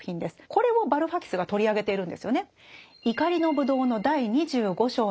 これもバルファキスが取り上げているんですよね。